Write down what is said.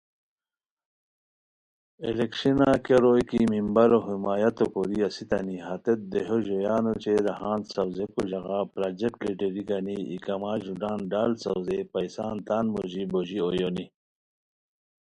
الیکشنہ کیہ روئے کی ممبرو حمایتو کوری اسیتانی ہتیت دیہو ژویان اوچے راہان ساؤزئیکو ژاغا پراجیکٹ لیڈری گنی ای کمہ ژونان ڈال ساؤزیئے پیسان تان موژی بوژی اویونی